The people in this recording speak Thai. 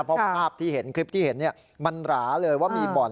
เพราะภาพที่เห็นคลิปที่เห็นมันหราเลยว่ามีบ่อน